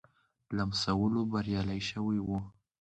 لمسولو بریالی شوی وو.